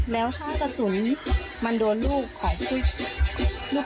แล้วถ้ากระสุนมันโดนลูกของพี่